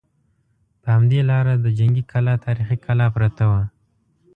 په همدې لاره د جنګي کلا تاریخي کلا پرته وه.